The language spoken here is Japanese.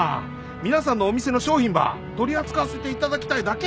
皆さんのお店の商品ば取り扱わせていただきたいだけとです